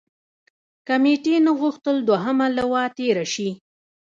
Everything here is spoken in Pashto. کمېټې نه غوښتل دوهمه لواء تېره شي.